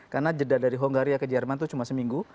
karena jeda dari hungaria ke jerman itu cuma seminggu